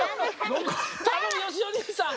たのむよしお兄さん